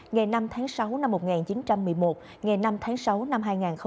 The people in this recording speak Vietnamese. ngày năm tháng sáu năm một nghìn chín trăm một mươi một ngày năm tháng sáu năm hai nghìn hai mươi